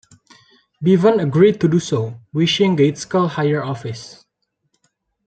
Bevan agreed to do so, wishing Gaitskell "higher office".